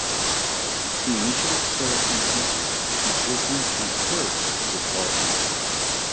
He initially served in Egypt before being transferred to the Far East.